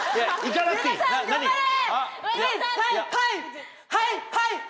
上田さん頑張れ！